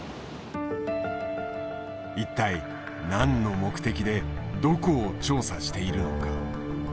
一体何の目的でどこを調査しているのか？